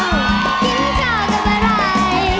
กินเจ้าก็ไปไหล